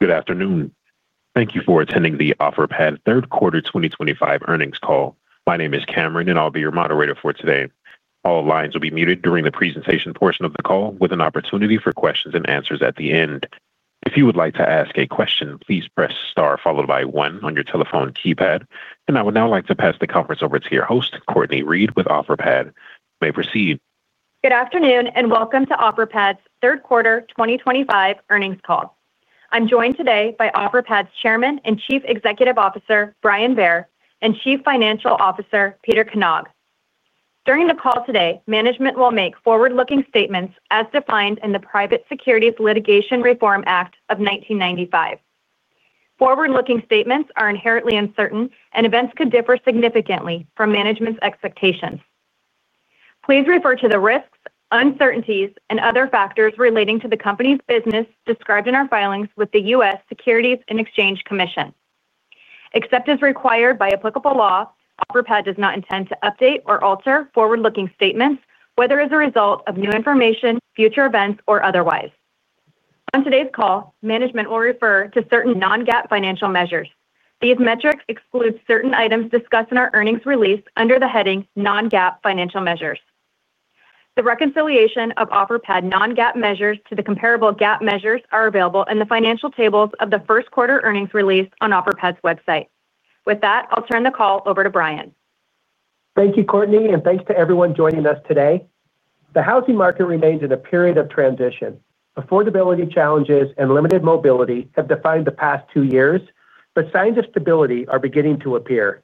Good afternoon. Thank you for attending the Offerpad Third Quarter 2025 Earnings Call. My name is Cameron, and I'll be your moderator for today. All lines will be muted during the presentation portion of the call, with an opportunity for questions and answers at the end. If you would like to ask a question, please press star followed by one on your telephone keypad. I would now like to pass the conference over to your host, Cortney Read, with Offerpad. You may proceed. Good afternoon and welcome to Offerpad's Third Quarter 2025 Earnings Call. I'm joined today by Offerpad's Chairman and Chief Executive Officer, Brian Bair, and Chief Financial Officer, Peter Knag. During the call today, management will make forward-looking statements as defined in the Private Securities Litigation Reform Act of 1995. Forward-looking statements are inherently uncertain, and events could differ significantly from management's expectations. Please refer to the risks, uncertainties, and other factors relating to the company's business described in our filings with the U.S. Securities and Exchange Commission. Except as required by applicable law, Offerpad does not intend to update or alter forward-looking statements, whether as a result of new information, future events, or otherwise. On today's call, management will refer to certain non-GAAP financial measures. These metrics exclude certain items discussed in our earnings release under the heading Non-GAAP Financial Measures. The reconciliation of Offerpad non-GAAP measures to the comparable GAAP measures is available in the financial tables of the first quarter earnings release on Offerpad's website. With that, I'll turn the call over to Brian. Thank you, Cortney, and thanks to everyone joining us today. The housing market remains in a period of transition. Affordability challenges and limited mobility have defined the past two years, but signs of stability are beginning to appear.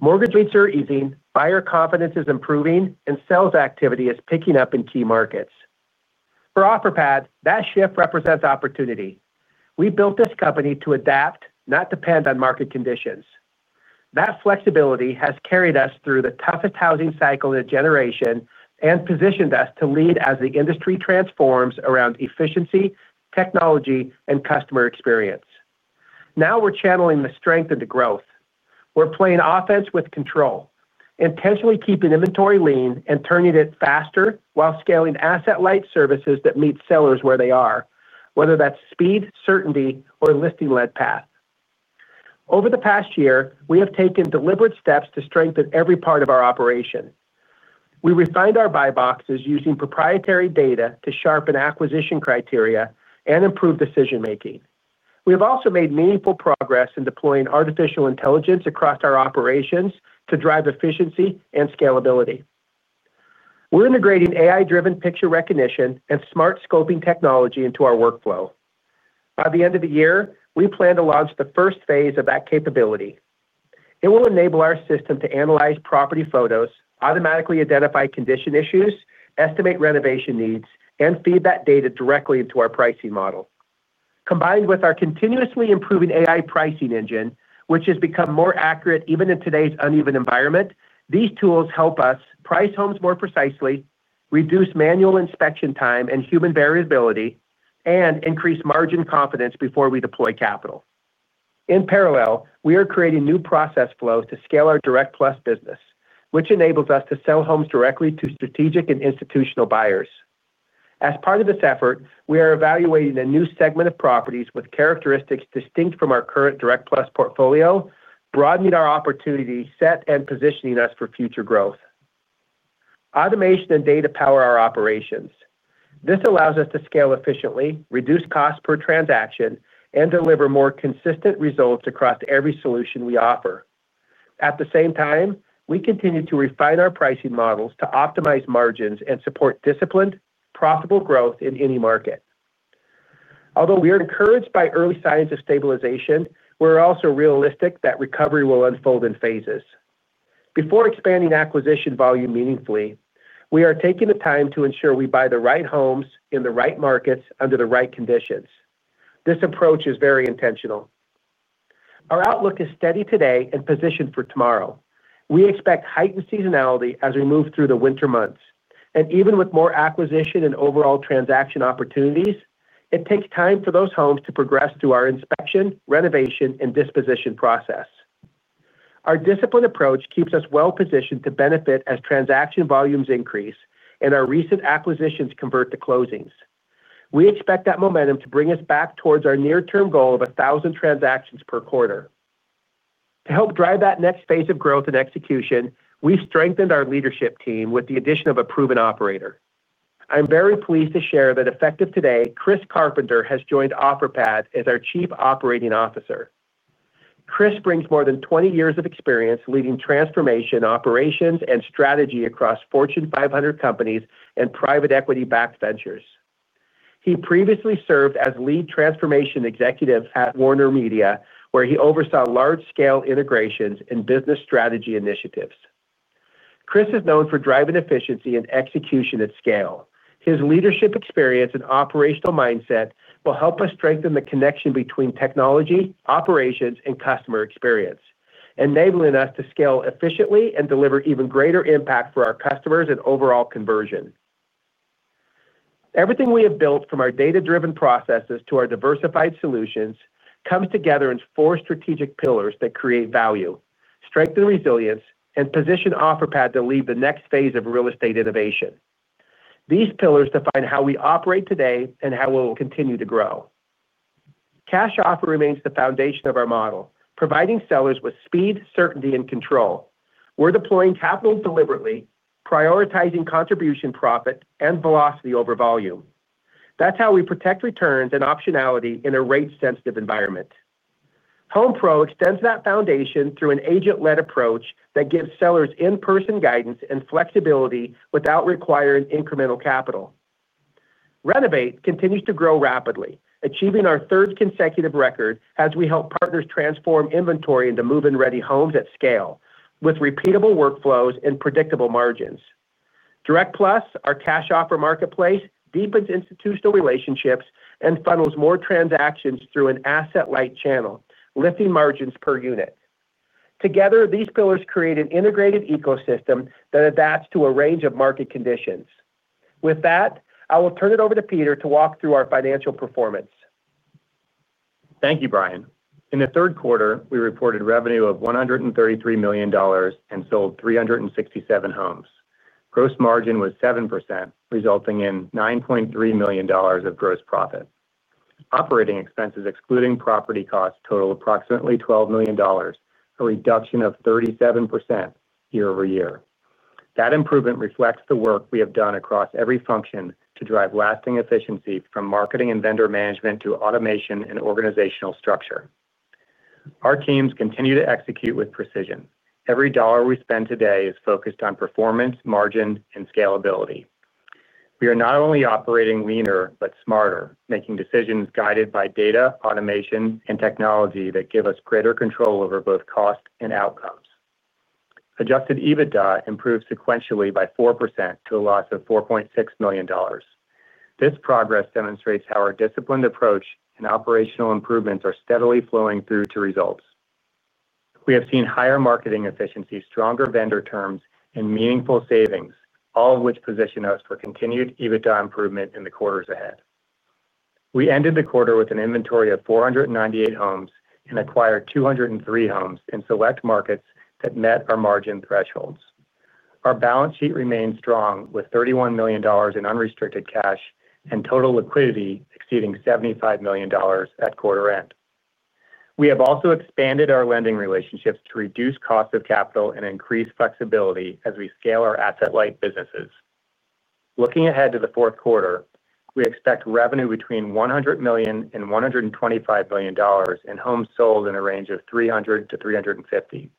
Mortgage rates are easing, buyer confidence is improving, and sales activity is picking up in key markets. For Offerpad, that shift represents opportunity. We built this company to adapt, not depend on market conditions. That flexibility has carried us through the toughest housing cycle in a generation and positioned us to lead as the industry transforms around efficiency, technology, and customer experience. Now we're channeling the strength into growth. We're playing offense with control, intentionally keeping inventory lean and turning it faster while scaling asset-light services that meet sellers where they are, whether that's speed, certainty, or a listing-led path. Over the past year, we have taken deliberate steps to strengthen every part of our operation. We refined our buy boxes using proprietary data to sharpen acquisition criteria and improve decision-making. We have also made meaningful progress in deploying artificial intelligence across our operations to drive efficiency and scalability. We're integrating AI-driven picture recognition and smart scoping technology into our workflow. By the end of the year, we plan to launch the first phase of that capability. It will enable our system to analyze property photos, automatically identify condition issues, estimate renovation needs, and feed that data directly into our pricing model. Combined with our continuously improving AI pricing engine, which has become more accurate even in today's uneven environment, these tools help us price homes more precisely, reduce manual inspection time and human variability, and increase margin confidence before we deploy capital. In parallel, we are creating new process flows to scale our Direct+ business, which enables us to sell homes directly to strategic and institutional buyers. As part of this effort, we are evaluating a new segment of properties with characteristics distinct from our current Direct+ portfolio, broadening our opportunity set and positioning us for future growth. Automation and data power our operations. This allows us to scale efficiently, reduce costs per transaction, and deliver more consistent results across every solution we offer. At the same time, we continue to refine our pricing models to optimize margins and support disciplined, profitable growth in any market. Although we are encouraged by early signs of stabilization, we're also realistic that recovery will unfold in phases. Before expanding acquisition volume meaningfully, we are taking the time to ensure we buy the right homes in the right markets under the right conditions. This approach is very intentional. Our outlook is steady today and positioned for tomorrow. We expect heightened seasonality as we move through the winter months. Even with more acquisition and overall transaction opportunities, it takes time for those homes to progress through our inspection, renovation, and disposition process. Our disciplined approach keeps us well-positioned to benefit as transaction volumes increase and our recent acquisitions convert to closings. We expect that momentum to bring us back towards our near-term goal of 1,000 transactions per quarter. To help drive that next phase of growth and execution, we've strengthened our leadership team with the addition of a proven operator. I'm very pleased to share that, effective today, Chris Carpenter has joined Offerpad as our Chief Operating Officer. Chris brings more than 20 years of experience leading transformation, operations, and strategy across Fortune 500 companies and private equity-backed ventures. He previously served as lead transformation executive at WarnerMedia, where he oversaw large-scale integrations and business strategy initiatives. Chris is known for driving efficiency and execution at scale. His leadership experience and operational mindset will help us strengthen the connection between technology, operations, and customer experience, enabling us to scale efficiently and deliver even greater impact for our customers and overall conversion. Everything we have built from our data-driven processes to our diversified solutions comes together in four strategic pillars that create value, strengthen resilience, and position Offerpad to lead the next phase of real estate innovation. These pillars define how we operate today and how we'll continue to grow. Cash Offer remains the foundation of our model, providing sellers with speed, certainty, and control. We're deploying capital deliberately, prioritizing contribution profit and velocity over volume. That's how we protect returns and optionality in a rate-sensitive environment. HomePro extends that foundation through an agent-led approach that gives sellers in-person guidance and flexibility without requiring incremental capital. Renovate continues to grow rapidly, achieving our third consecutive record as we help partners transform inventory into move-in ready homes at scale with repeatable workflows and predictable margins. Direct+, our cash offer marketplace, deepens institutional relationships and funnels more transactions through an asset-light channel, lifting margins per unit. Together, these pillars create an integrated ecosystem that adapts to a range of market conditions. With that, I will turn it over to Peter to walk through our financial performance. Thank you, Brian. In the third quarter, we reported revenue of $133 million and sold 367 homes. Gross margin was 7%, resulting in $9.3 million of gross profit. Operating expenses, excluding property costs, total approximately $12 million, a reduction of 37% year over year. That improvement reflects the work we have done across every function to drive lasting efficiency from marketing and vendor management to automation and organizational structure. Our teams continue to execute with precision. Every dollar we spend today is focused on performance, margin, and scalability. We are not only operating leaner but smarter, making decisions guided by data, automation, and technology that give us greater control over both cost and outcomes. Adjusted EBITDA improved sequentially by 4% to a loss of $4.6 million. This progress demonstrates how our disciplined approach and operational improvements are steadily flowing through to results. We have seen higher marketing efficiency, stronger vendor terms, and meaningful savings, all of which position us for continued EBITDA improvement in the quarters ahead. We ended the quarter with an inventory of 498 homes and acquired 203 homes in select markets that met our margin thresholds. Our balance sheet remains strong with $31 million in unrestricted cash and total liquidity exceeding $75 million at quarter end. We have also expanded our lending relationships to reduce cost of capital and increase flexibility as we scale our asset-light businesses. Looking ahead to the fourth quarter, we expect revenue between $100 million and $125 million and homes sold in a range of 300-350.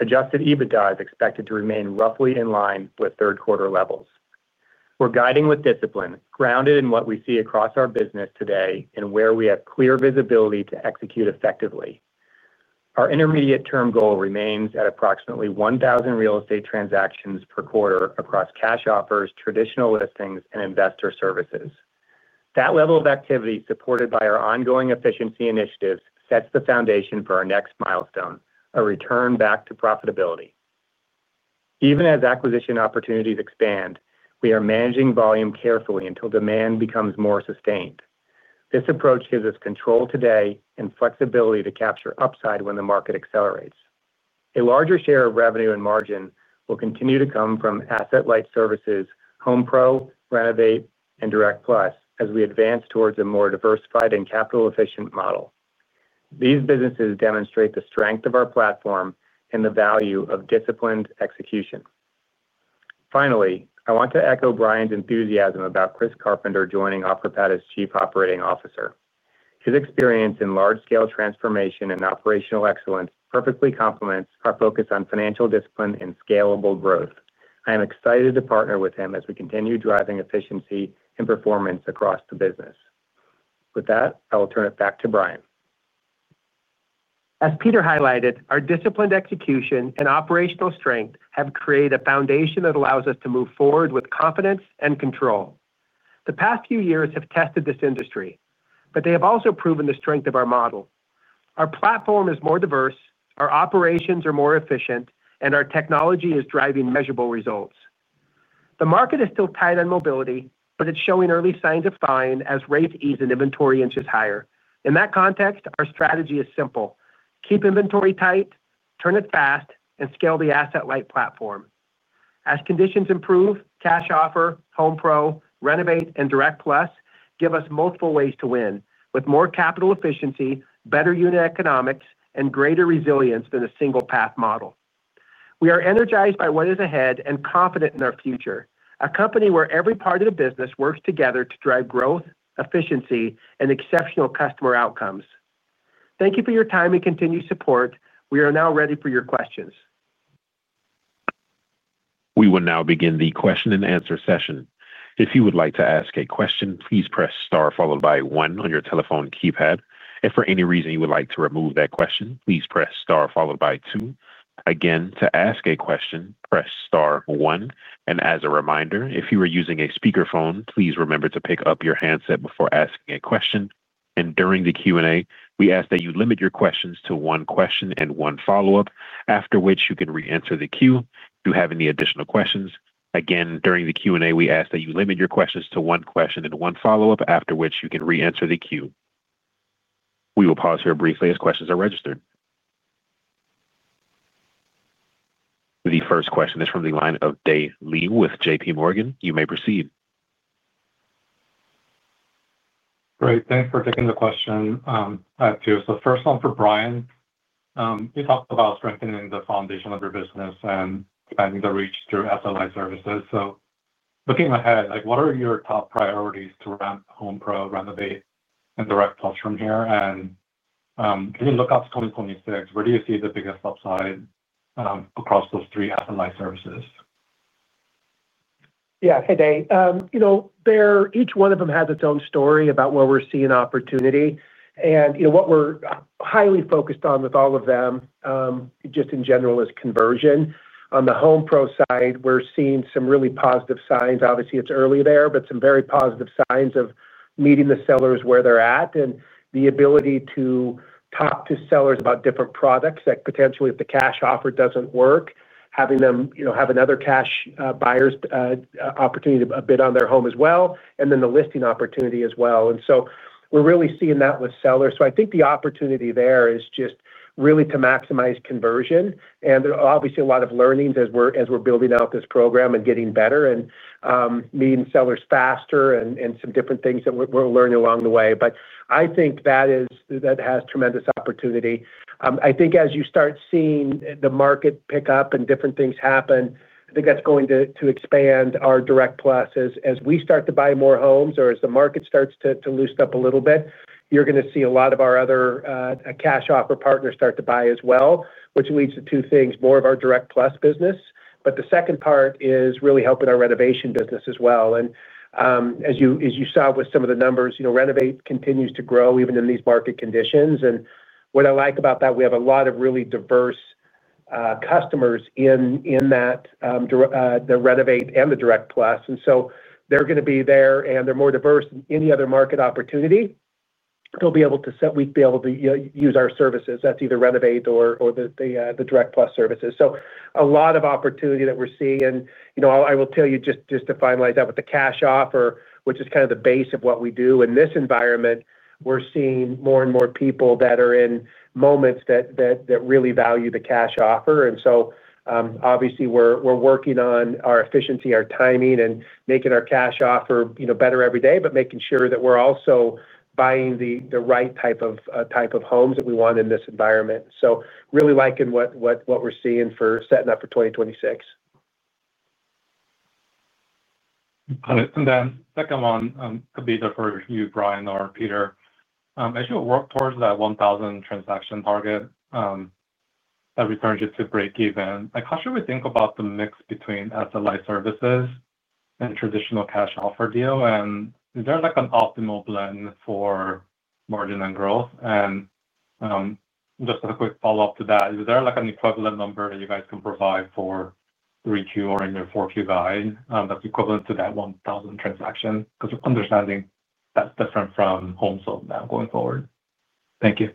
Adjusted EBITDA is expected to remain roughly in line with third quarter levels. We're guiding with discipline, grounded in what we see across our business today and where we have clear visibility to execute effectively. Our intermediate term goal remains at approximately 1,000 real estate transactions per quarter across cash offers, traditional listings, and investor services. That level of activity, supported by our ongoing efficiency initiatives, sets the foundation for our next milestone, a return back to profitability. Even as acquisition opportunities expand, we are managing volume carefully until demand becomes more sustained. This approach gives us control today and flexibility to capture upside when the market accelerates. A larger share of revenue and margin will continue to come from asset-light services, HomePro, Renovate, and Direct+ as we advance towards a more diversified and capital-efficient model. These businesses demonstrate the strength of our platform and the value of disciplined execution. Finally, I want to echo Brian's enthusiasm about Chris Carpenter joining Offerpad as Chief Operating Officer. His experience in large-scale transformation and operational excellence perfectly complements our focus on financial discipline and scalable growth. I am excited to partner with him as we continue driving efficiency and performance across the business. With that, I will turn it back to Brian. As Peter highlighted, our disciplined execution and operational strength have created a foundation that allows us to move forward with confidence and control. The past few years have tested this industry, but they have also proven the strength of our model. Our platform is more diverse, our operations are more efficient, and our technology is driving measurable results. The market is still tight on mobility, but it's showing early signs of fine as rates ease and inventory inches higher. In that context, our strategy is simple: keep inventory tight, turn it fast, and scale the asset-light platform. As conditions improve, Cash Offer, HomePro, Renovate, and Direct+ give us multiple ways to win with more capital efficiency, better unit economics, and greater resilience than a single path model. We are energized by what is ahead and confident in our future, a company where every part of the business works together to drive growth, efficiency, and exceptional customer outcomes. Thank you for your time and continued support. We are now ready for your questions. We will now begin the question-and-answer session. If you would like to ask a question, please press star followed by one on your telephone keypad. If for any reason you would like to remove that question, please press star followed by two. Again, to ask a question, press star one. As a reminder, if you are using a speakerphone, please remember to pick up your handset before asking a question. During the Q&A, we ask that you limit your questions to one question and one follow-up, after which you can re-enter the queue if you have any additional questions. Again, during the Q&A, we ask that you limit your questions to one question and one follow-up, after which you can re-enter the queue. We will pause here briefly as questions are registered. The first question is from the line of Dae Lee with JPMorgan. You may proceed. Great. Thanks for taking the question. I have two. First one for Brian. You talked about strengthening the foundation of your business and expanding the reach through SLI services. Looking ahead, what are your top priorities to ramp HomePro, Renovate, and Direct+ from here? Can you look out to 2026? Where do you see the biggest upside across those three SLI services? Yeah. Hey, Dae. Each one of them has its own story about where we're seeing opportunity. What we're highly focused on with all of them, just in general, is conversion. On the HomePro side, we're seeing some really positive signs. Obviously, it's early there, but some very positive signs of meeting the sellers where they're at and the ability to talk to sellers about different products that potentially, if the Cash Offer doesn't work, having them have another cash buyer's opportunity to bid on their home as well, and then the listing opportunity as well. We're really seeing that with sellers. I think the opportunity there is just really to maximize conversion. There are obviously a lot of learnings as we're building out this program and getting better and meeting sellers faster and some different things that we're learning along the way. I think that has tremendous opportunity. I think as you start seeing the market pick up and different things happen, that's going to expand our Direct+ as we start to buy more homes or as the market starts to loosen up a little bit. You're going to see a lot of our other Cash Offer partners start to buy as well, which leads to two things: more of our Direct+ business. The second part is really helping our renovation business as well. As you saw with some of the numbers, Renovate continues to grow even in these market conditions. What I like about that, we have a lot of really diverse customers in the Renovate and the Direct+. They're going to be there, and they're more diverse than any other market opportunity. They'll be able to—we'll be able to use our services. That's either Renovate or the Direct+ services. A lot of opportunity that we're seeing. I will tell you, just to finalize that with the Cash Offer, which is kind of the base of what we do. In this environment, we're seeing more and more people that are in moments that really value the Cash Offer. Obviously, we're working on our efficiency, our timing, and making our Cash Offer better every day, but making sure that we're also buying the right type of homes that we want in this environment. Really liking what we're seeing for setting up for 2026. Got it. Then second one could be for you, Brian or Peter. As you work towards that 1,000 transaction target that returns you to breakeven, how should we think about the mix between SLI services and traditional Cash Offer deal? Is there an optimal blend for margin and growth? Just as a quick follow-up to that, is there an equivalent number that you guys can provide for three-queue or even four-queue guy that's equivalent to that 1,000 transaction? Because understanding that's different from home sales now going forward. Thank you.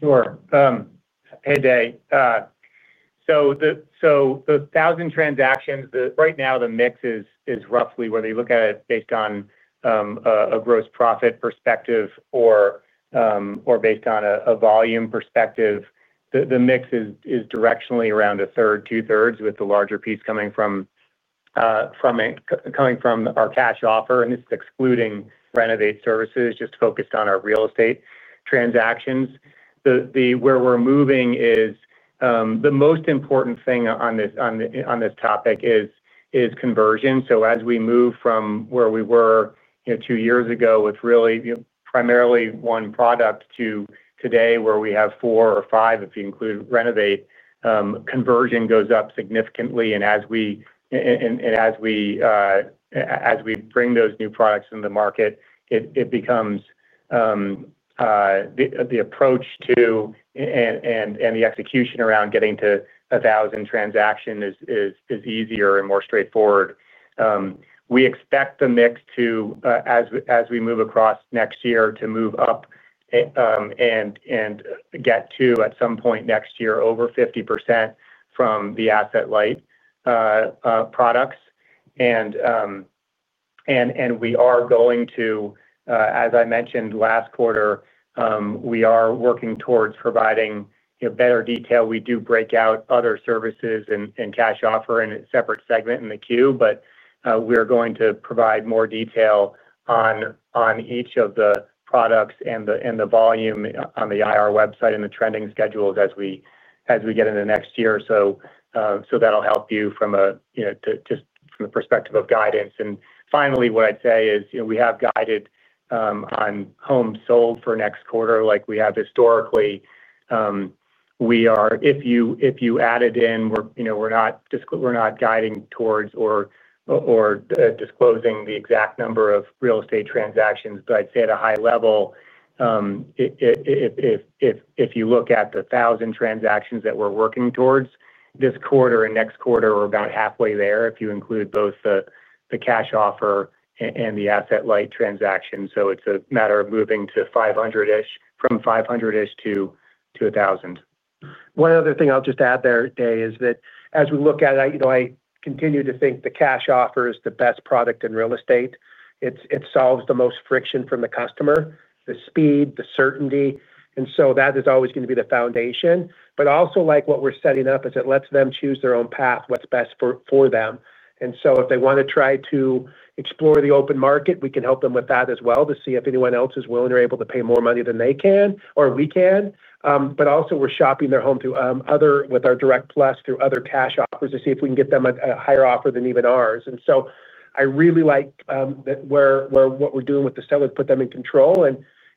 Sure. Hey, Dae. The 1,000 transactions, right now, the mix is roughly whether you look at it based on a gross profit perspective or based on a volume perspective, the mix is directionally around a third, two-thirds, with the larger piece coming from our Cash Offer. This is excluding Renovate services, just focused on our real estate transactions. Where we're moving is the most important thing on this topic is conversion. As we move from where we were two years ago with really primarily one product to today where we have four or five, if you include Renovate, conversion goes up significantly. As we bring those new products into the market, it becomes the approach to and the execution around getting to 1,000 transactions is easier and more straightforward. We expect the mix to, as we move across next year, to move up and get to, at some point next year, over 50% from the asset-light products. We are going to, as I mentioned last quarter, we are working towards providing better detail. We do break out other services and Cash Offer in a separate segment in the queue, but we are going to provide more detail on each of the products and the volume on the IR website and the trending schedules as we get into next year. That'll help you from a, just from the perspective of guidance. Finally, what I'd say is we have guided on homes sold for next quarter. Historically, we are—if you added in, we're not guiding towards or disclosing the exact number of real estate transactions, but I'd say at a high level, if you look at the 1,000 transactions that we're working towards this quarter and next quarter, we're about halfway there if you include both the Cash Offer and the asset-light transactions. It's a matter of moving to 500-ish, from 500-ish to 1,000. One other thing I'll just add there, Dae, is that as we look at it, I continue to think the Cash Offer is the best product in real estate. It solves the most friction from the customer, the speed, the certainty. That is always going to be the foundation. Also, what we're setting up is it lets them choose their own path, what's best for them. If they want to try to explore the open market, we can help them with that as well to see if anyone else is willing or able to pay more money than they can or we can. Also, we're shopping their home with our Direct+ through other cash offers to see if we can get them a higher offer than even ours. I really like what we're doing with the sellers to put them in control.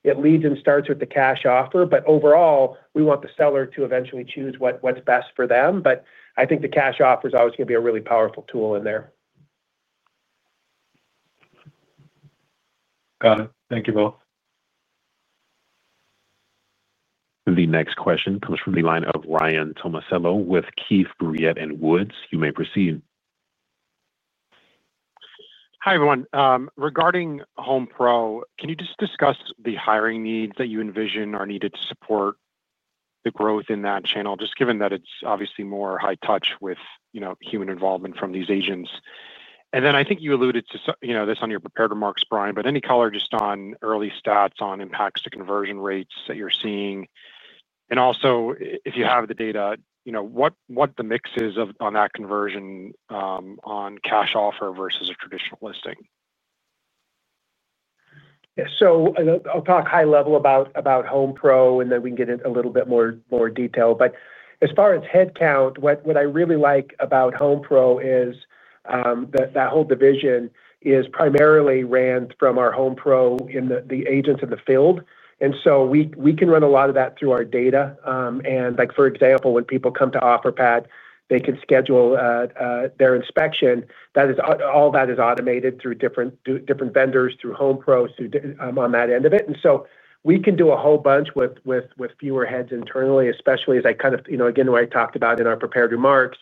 It leads and starts with the Cash Offer. Overall, we want the seller to eventually choose what's best for them. I think the Cash Offer is always going to be a really powerful tool in there. Got it. Thank you both. The next question comes from the line of Ryan Tomasello with Keefe, Bruyette & Woods. You may proceed. Hi, everyone. Regarding HomePro, can you just discuss the hiring needs that you envision are needed to support the growth in that channel, just given that it's obviously more high touch with human involvement from these agents? I think you alluded to this on your prepared remarks, Brian, but any color just on early stats on impacts to conversion rates that you're seeing? Also, if you have the data, what the mix is on that conversion on Cash Offer versus a traditional listing? Yeah. So I'll talk high level about HomePro, and then we can get into a little bit more detail. As far as headcount, what I really like about HomePro is that whole division is primarily ran from our HomePro and the agents in the field. We can run a lot of that through our data. For example, when people come to Offerpad, they can schedule their inspection. All that is automated through different vendors, through HomePro, on that end of it. We can do a whole bunch with fewer heads internally, especially as I kind of, again, what I talked about in our prepared remarks,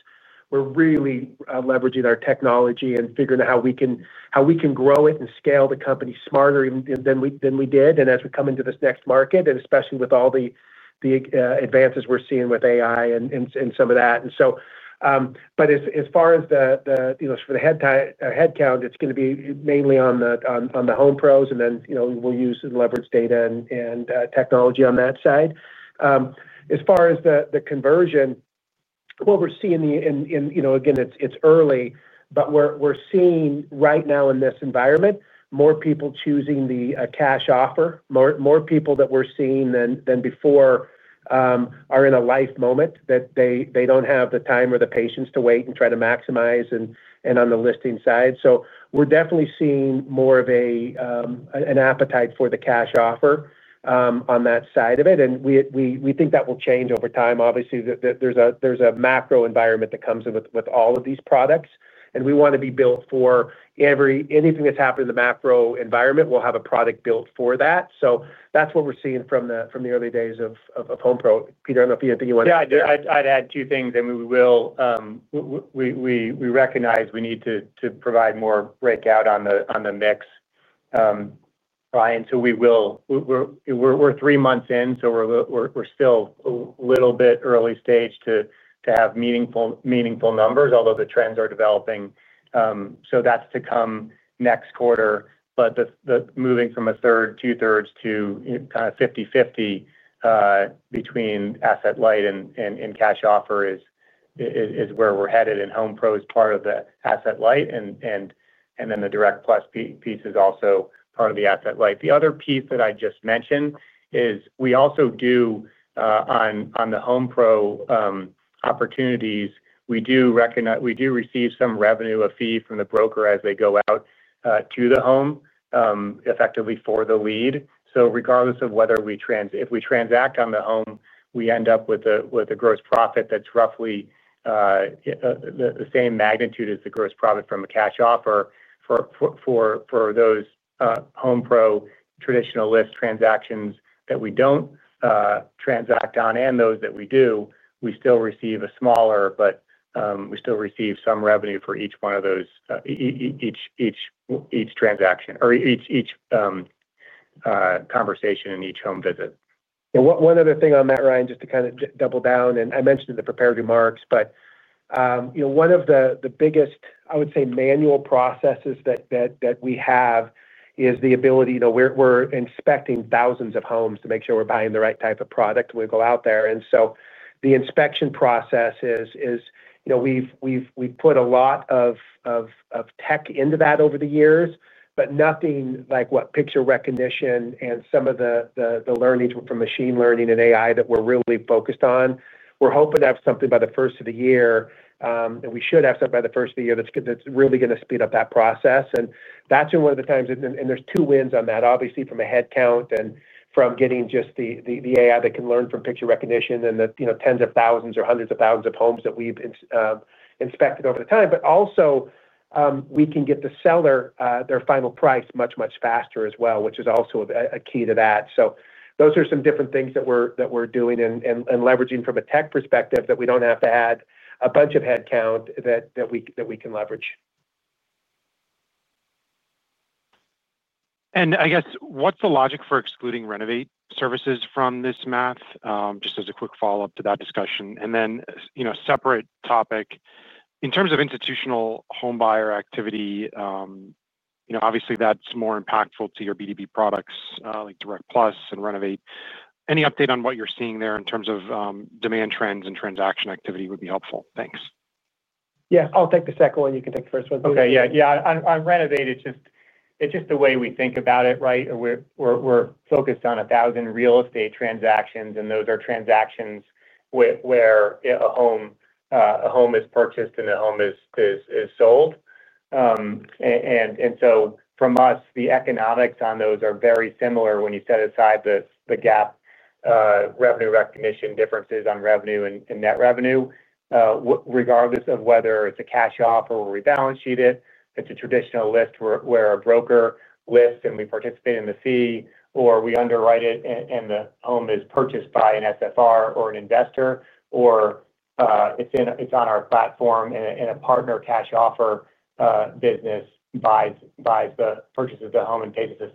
we're really leveraging our technology and figuring out how we can grow it and scale the company smarter than we did. As we come into this next market, especially with all the advances we're seeing with AI and some of that. As far as the headcount, it's going to be mainly on the HomePros, and then we'll use leveraged data and technology on that side. As far as the conversion, what we're seeing in, again, it's early, but we're seeing right now in this environment, more people choosing the Cash Offer. More people that we're seeing than before are in a life moment that they don't have the time or the patience to wait and try to maximize and on the listing side. We're definitely seeing more of an appetite for the Cash Offer on that side of it. We think that will change over time. Obviously, there's a macro environment that comes with all of these products. We want to be built for anything that's happened in the macro environment, we'll have a product built for that. That's what we're seeing from the early days of HomePro. Peter, I don't know if you have anything you want to add. Yeah. I'd add two things. We recognize we need to provide more breakout on the mix, Brian, so we will. We're three months in, so we're still a little bit early stage to have meaningful numbers, although the trends are developing. That's to come next quarter. Moving from a third, two-thirds to kind of 50/50 between asset-light and Cash Offer is where we're headed. HomePro is part of the asset-light, and then the Direct+ piece is also part of the asset-light. The other piece that I just mentioned is we also do, on the HomePro opportunities, we do receive some revenue, a fee from the broker as they go out to the home, effectively for the lead. Regardless of whether we transact on the home, we end up with a gross profit that's roughly the same magnitude as the gross profit from a Cash Offer for those HomePro traditional list transactions that we don't transact on, and those that we do, we still receive a smaller, but we still receive some revenue for each one of those, each transaction or each conversation and each home visit. Yeah. One other thing on that, Ryan, just to kind of double down. I mentioned in the prepared remarks, but one of the biggest, I would say, manual processes that we have is the ability—we're inspecting thousands of homes to make sure we're buying the right type of product when we go out there. The inspection process is, we've put a lot of tech into that over the years, but nothing like what picture recognition and some of the learnings from machine learning and AI that we're really focused on. We're hoping to have something by the first of the year, and we should have something by the first of the year that's really going to speed up that process. That's been one of the times—and there's two wins on that, obviously, from a headcount and from getting just the AI that can learn from picture recognition and the tens of thousands or hundreds of thousands of homes that we've inspected over the time. Also, we can get the seller their final price much, much faster as well, which is also a key to that. Those are some different things that we're doing and leveraging from a tech perspective that we don't have to add a bunch of headcount that we can leverage. What's the logic for excluding Renovate services from this math? Just as a quick follow-up to that discussion. Then, separate topic, in terms of institutional home buyer activity. Obviously, that's more impactful to your B2B products like Direct+ and Renovate. Any update on what you're seeing there in terms of demand trends and transaction activity would be helpful. Thanks. Yeah. I'll take the second one. You can take the first one. Okay. Yeah. Yeah. On Renovate, it's just the way we think about it, right? We're focused on 1,000 real estate transactions, and those are transactions where a home is purchased and a home is sold. And so from us, the economics on those are very similar when you set aside the GAAP revenue recognition differences on revenue and net revenue. Regardless of whether it's a Cash Offer or we balance sheet it, it's a traditional list where a broker lists and we participate in the fee, or we underwrite it and the home is purchased by an SFR or an investor, or it's on our platform and a partner Cash Offer business buys the purchase of the home and pays the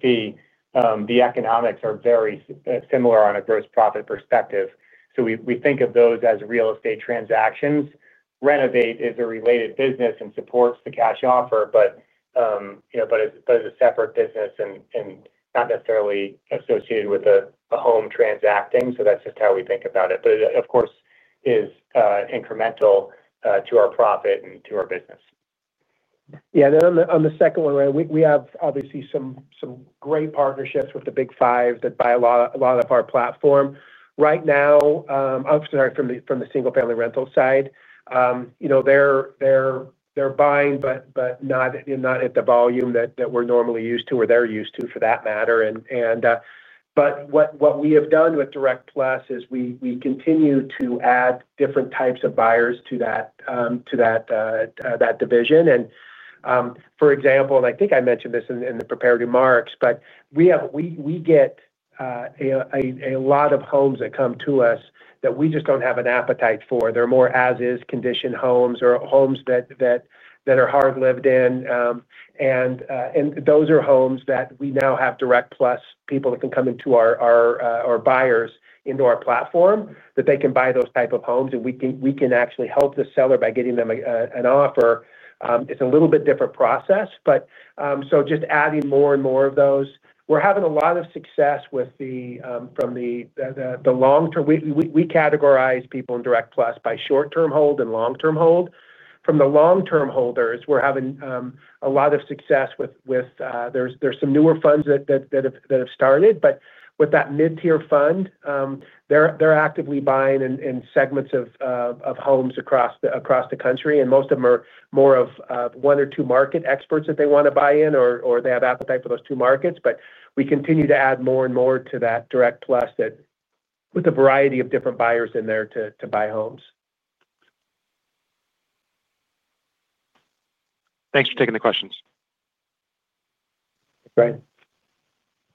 fee. The economics are very similar on a gross profit perspective. We think of those as real estate transactions. Renovate is a related business and supports the Cash Offer, but is a separate business and not necessarily associated with a home transacting. That's just how we think about it. It, of course, is incremental to our profit and to our business. Yeah. On the second one, Ryan, we have obviously some great partnerships with the Big Fives that buy a lot off our platform right now. I'm sorry, from the single-family rental side. They're buying, but not at the volume that we're normally used to or they're used to for that matter. What we have done with Direct+ is we continue to add different types of buyers to that division. For example, and I think I mentioned this in the prepared remarks, we get a lot of homes that come to us that we just don't have an appetite for. They're more as-is condition homes or homes that are hard-lived in. Those are homes that we now have Direct+ people that can come into our buyers, into our platform, that they can buy those type of homes. We can actually help the seller by getting them an offer. It's a little bit different process. Just adding more and more of those, we're having a lot of success. From the long-term, we categorize people in Direct+ by short-term hold and long-term hold. From the long-term holders, we're having a lot of success with. There are some newer funds that have started. With that mid-tier fund, they're actively buying in segments of homes across the country. Most of them are more of one or two market experts that they want to buy in, or they have appetite for those two markets. We continue to add more and more to that Direct+ with a variety of different buyers in there to buy homes. Thanks for taking the questions. Brian.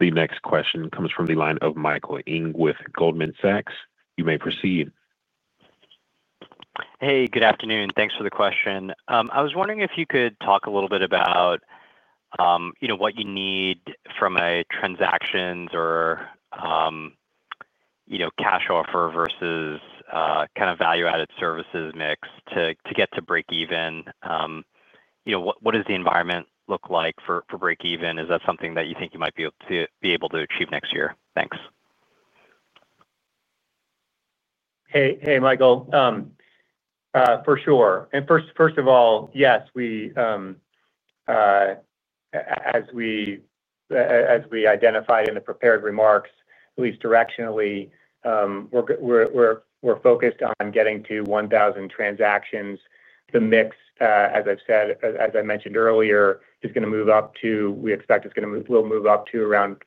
The next question comes from the line of Michael Ng with Goldman Sachs. You may proceed. Hey, good afternoon. Thanks for the question. I was wondering if you could talk a little bit about what you need from a transactions or Cash Offer versus kind of value-added services mix to get to break-even. What does the environment look like for break-even? Is that something that you think you might be able to achieve next year? Thanks. Hey, Michael. For sure. First of all, yes. As we identified in the prepared remarks, at least directionally, we're focused on getting to 1,000 transactions. The mix, as I mentioned earlier, is going to move up to—we expect it's going to move—we'll move up to around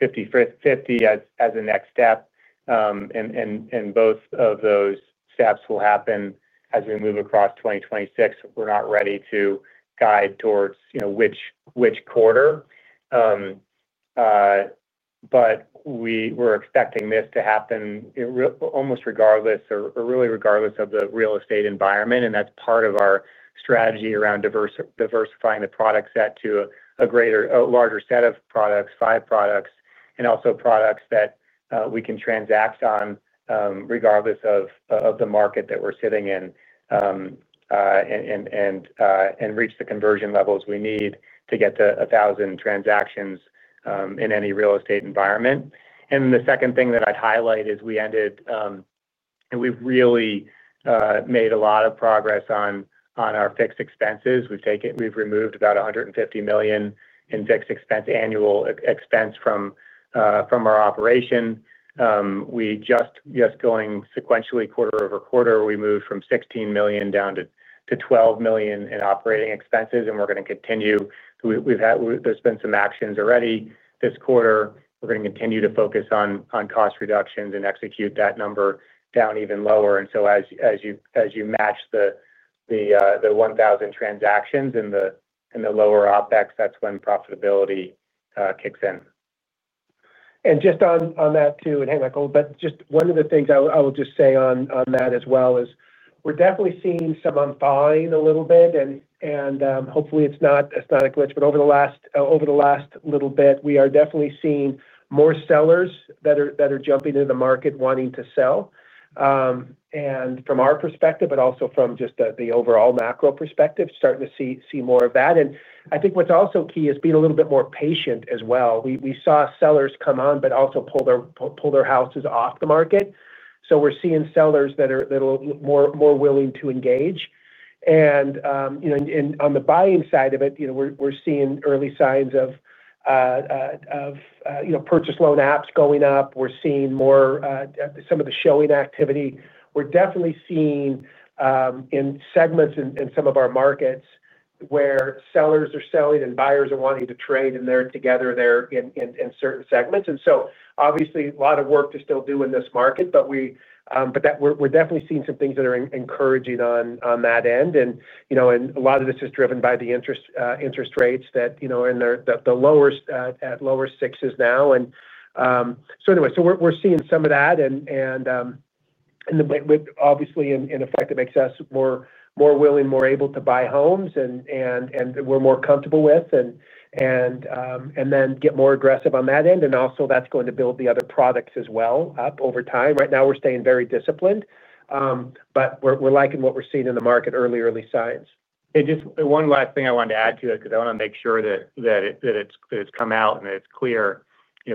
50/50 as a next step. Both of those steps will happen as we move across 2026. We're not ready to guide towards which quarter, but we're expecting this to happen almost regardless or really regardless of the real estate environment. That is part of our strategy around diversifying the product set to a larger set of products, five products, and also products that we can transact on regardless of the market that we're sitting in, and reach the conversion levels we need to get to 1,000 transactions in any real estate environment. The second thing that I'd highlight is we ended—and we've really made a lot of progress on our fixed expenses. We've removed about $150 million in fixed expense annual expense from our operation. Just going sequentially, quarter over quarter, we moved from $16 million down to $12 million in operating expenses. We're going to continue—there's been some actions already this quarter. We're going to continue to focus on cost reductions and execute that number down even lower. As you match the 1,000 transactions and the lower OpEx, that's when profitability kicks in. Just on that too, and hey, Michael, but just one of the things I will just say on that as well is we're definitely seeing someone buying a little bit. Hopefully, it's not a glitch, but over the last little bit, we are definitely seeing more sellers that are jumping into the market wanting to sell. From our perspective, but also from just the overall macro perspective, starting to see more of that. I think what's also key is being a little bit more patient as well. We saw sellers come on, but also pull their houses off the market. We're seeing sellers that are more willing to engage. On the buying side of it, we're seeing early signs of purchase loan apps going up. We're seeing more some of the showing activity. We're definitely seeing in segments in some of our markets where sellers are selling and buyers are wanting to trade, and they're together in certain segments. Obviously, a lot of work to still do in this market, but we're definitely seeing some things that are encouraging on that end. A lot of this is driven by the interest rates that are in the lower sixes now. Anyway, we're seeing some of that. Obviously, in effect, it makes us more willing, more able to buy homes, and we're more comfortable with, and then get more aggressive on that end. Also, that's going to build the other products as well up over time. Right now, we're staying very disciplined. We're liking what we're seeing in the market, early, early signs. Just one last thing I wanted to add to it because I want to make sure that it's come out and that it's clear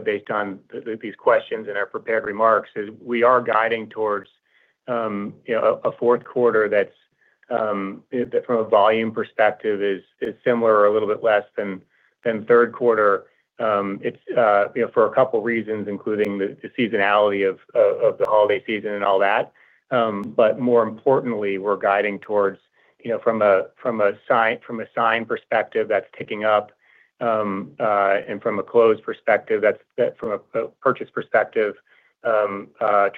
based on these questions and our prepared remarks is we are guiding towards a fourth quarter that, from a volume perspective, is similar or a little bit less than third quarter. It's for a couple of reasons, including the seasonality of the holiday season and all that. More importantly, we're guiding towards, from a signed perspective, that's ticking up. From a closed perspective, that's from a purchase perspective,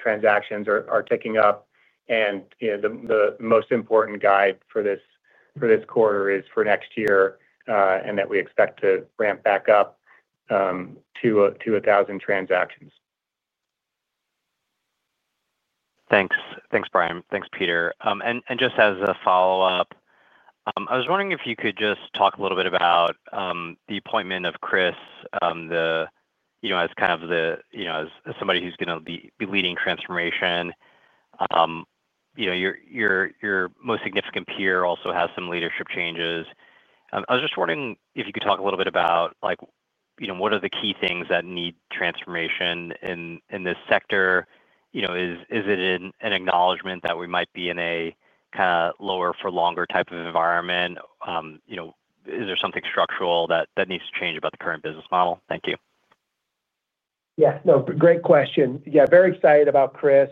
transactions are ticking up. The most important guide for this quarter is for next year and that we expect to ramp back up to 1,000 transactions. Thanks. Thanks, Brian. Thanks, Peter. Just as a follow-up, I was wondering if you could just talk a little bit about the appointment of Chris as kind of the, as somebody who's going to be leading transformation. Your most significant peer also has some leadership changes. I was just wondering if you could talk a little bit about what are the key things that need transformation in this sector. Is it an acknowledgment that we might be in a kind of lower-for-longer type of environment? Is there something structural that needs to change about the current business model? Thank you. Yeah. No, great question. Yeah. Very excited about Chris.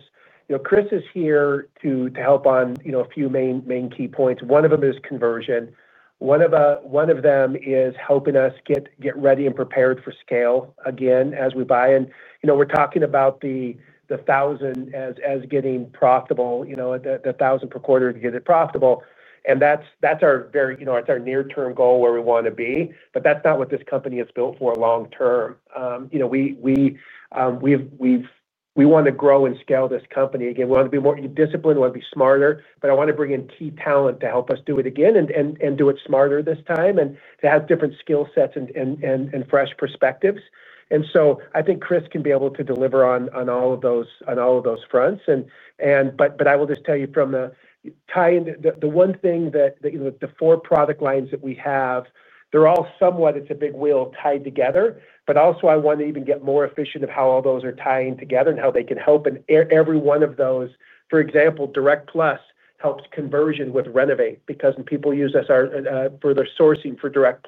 Chris is here to help on a few main key points. One of them is conversion. One of them is helping us get ready and prepared for scale again as we buy. And we're talking about the 1,000 as getting profitable, the 1,000 per quarter to get it profitable. That's our very—it's our near-term goal where we want to be. That's not what this company is built for long-term. We want to grow and scale this company. Again, we want to be more disciplined. We want to be smarter. I want to bring in key talent to help us do it again and do it smarter this time and to have different skill sets and fresh perspectives. I think Chris can be able to deliver on all of those fronts. I will just tell you from the tie into the one thing that the four product lines that we have, they're all somewhat—it's a big wheel—tied together. I want to even get more efficient of how all those are tying together and how they can help. Every one of those, for example, Direct+ helps conversion with Renovate because people use us for their sourcing for Direct+.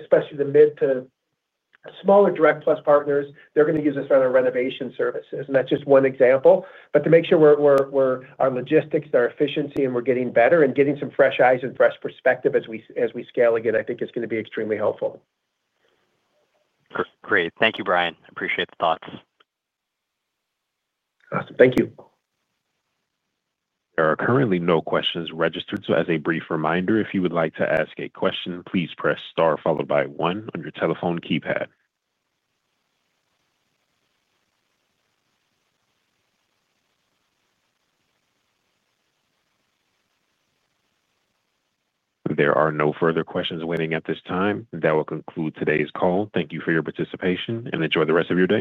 Especially the mid to smaller Direct+ partners, they're going to use us for our renovation services. That's just one example. To make sure our logistics, our efficiency, and we're getting better and getting some fresh eyes and fresh perspective as we scale again, I think it's going to be extremely helpful. Great. Thank you, Brian. Appreciate the thoughts. Awesome. Thank you. There are currently no questions registered. As a brief reminder, if you would like to ask a question, please press star followed by one on your telephone keypad. There are no further questions waiting at this time. That will conclude today's call. Thank you for your participation and enjoy the rest of your day.